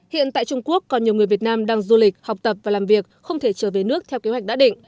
hiện tại trung quốc còn nhiều người việt nam đang du lịch học tập và làm việc không thể trở về nước theo kế hoạch đã định